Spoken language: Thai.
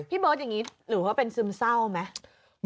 เบิร์ตอย่างนี้หรือว่าเป็นซึมเศร้าไหม